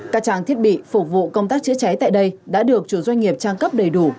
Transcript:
các trang thiết bị phục vụ công tác chữa cháy tại đây đã được chủ doanh nghiệp trang cấp đầy đủ